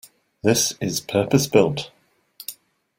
This is purpose built.